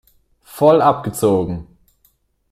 Voll abgezogen!